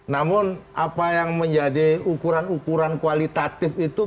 namun apa yang menjadi ukuran ukuran kualitatif itu